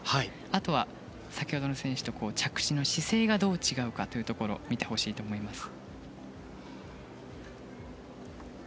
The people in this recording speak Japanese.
あとは先ほどの選手と着地の姿勢がどう違うかを見てほしいと思います。